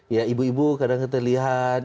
ya ibu ibu kadang kita lihat